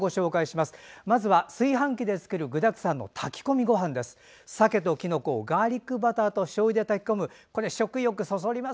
まずは炊飯器で作る具だくさんの炊き込みごはんです。